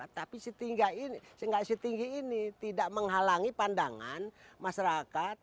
tapi setinggal setinggi ini tidak menghalangi pandangan masyarakat